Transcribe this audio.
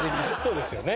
そうですよね。